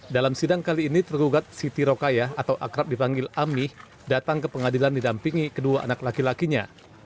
dalam sidang kali ini tergugat siti rokaya atau akrab dipanggil amih datang ke pengadilan didampingi kedua anak laki lakinya